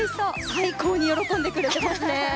最高に喜んでくれてますねえ。